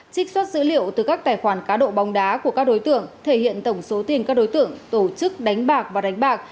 trích xuất dữ liệu từ các tài khoản cá độ bóng đá của các đối tượng thể hiện tổng số tiền các đối tượng tổ chức đánh bạc và đánh bạc